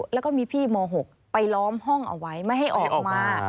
แล้วก็มีพี่ม๖ไปล้อมห้องเอาไว้ไม่ให้ออกมา